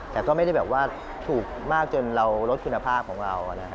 แต่ก็ไม่ได้แบบว่าถูกมากจนเราลดคุณภาพของเรา